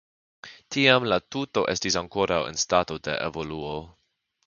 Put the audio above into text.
Tiam la tuto estis ankoraŭ en stato de evoluo.